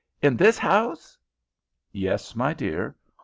"In this house?" "Yes, my dear.